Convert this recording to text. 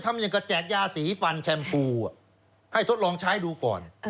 อย่างกระแจกยาสีฟันแชมพูให้ทดลองใช้ดูก่อน